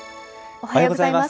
おはようございます。